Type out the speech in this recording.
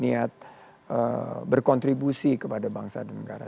niat berkontribusi kepada bangsa dan negara